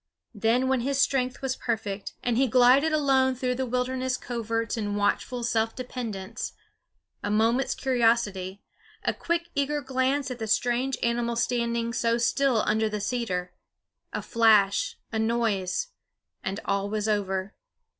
Then when his strength was perfect, and he glided alone through the wilderness coverts in watchful self dependence a moment's curiosity, a quick eager glance at the strange animal standing so still under the cedar, a flash, a noise; and all was over.